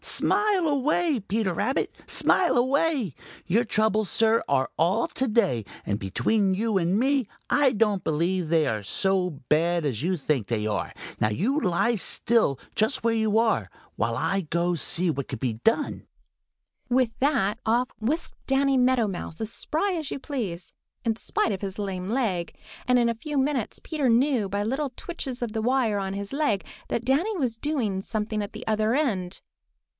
Smile away, Peter Rabbit. Smile away! Your troubles, Sir, are all to day. And between you and me, I don't believe they are so bad as you think they are. Now you lie still just where you are, while I go see what can be done." [Illustration: Peter knew that Danny was doing something at the other end. Page 86.] With that off whisked Danny Meadow Mouse as spry as you please, in spite of his lame leg, and in a few minutes Peter knew by little twitches of the wire on his leg that Danny was doing something at the other end.